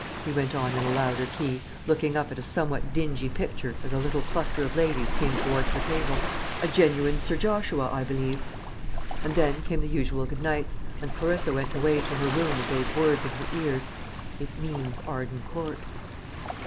he went on in a louder key, looking up at a somewhat dingy picture, as a little cluster of ladies came towards the table; "a genuine Sir Joshua, I believe." And then came the usual good nights, and Clarissa went away to her room with those words in her ears, "It means Arden Court."